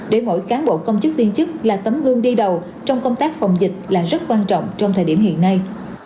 để mỗi cán bộ công chức viên chức là tấm gương đi đầu trong công tác phòng dịch là rất quan trọng trong thời điểm hiện nay